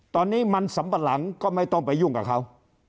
ตอนนี้มันสัมปะหลังก็ไม่ต้องไปยุ่งกับเขา